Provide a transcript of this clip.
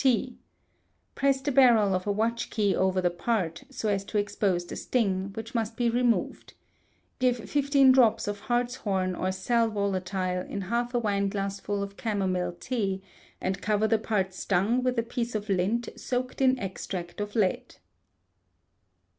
T. Press the barrel of a watch key over the part, so as to expose the sting, which must be removed. Give fifteen drops of hartshorn or sal volatile in half a wine glassful of camomile tea, and cover the part stung with a piece of lint soaked in extract of lead.